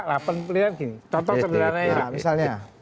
contoh sederhana era misalnya